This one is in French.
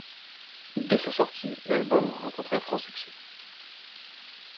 Dès sa sortie, l'album rencontre un franc succès.